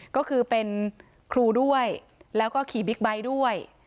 ก็คือเป็นครูด้วยแล้วก็ขี่บิ๊กไบท์ด้วย